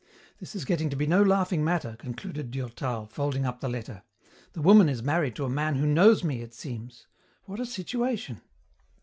This is getting to be no laughing matter," concluded Durtal, folding up the letter. "The woman is married to a man who knows me, it seems. What a situation!